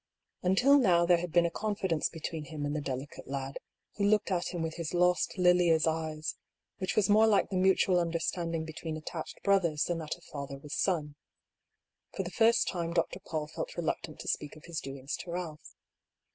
Until now there had been a confidence between him and the delicate lad, who looked at him with his lost Lilia's eyes, which was more like the mutual under standing between attached brothers than that of father with son. For the first time Dr. Paull felt reluctant to speak of his doings to Ealph.